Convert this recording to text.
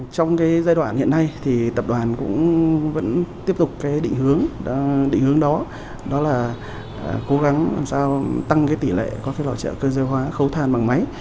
trong giai đoạn hiện nay tập đoàn vẫn tiếp tục định hướng đó đó là cố gắng làm sao tăng tỷ lệ các loại trợ cơ giới hóa khấu than bằng máy